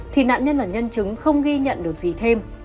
thì nạn nhân và nhân chứng không ghi nhận được gì thêm